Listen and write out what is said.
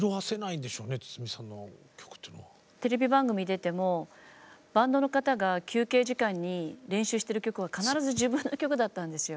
テレビ番組出てもバンドの方が休憩時間に練習している曲が必ず自分の曲だったんですよ。